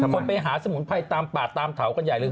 คนไปหาสมุนไพรตามป่าตามเถากันใหญ่เลย